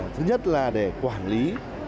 thứ nhất là để quản lý